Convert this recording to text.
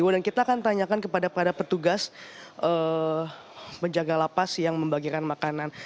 dan kita akan tanyakan kepada petugas penjaga lapas yang membagikan makanan